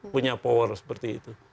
punya power seperti itu